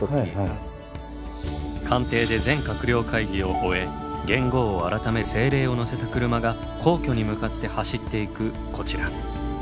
官邸で全閣僚会議を終え元号を改める政令を載せた車が皇居に向かって走っていくこちら。